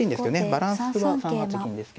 バランスは３八銀ですけど。